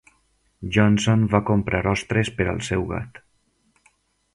Johnson va comprar ostres per al seu gat.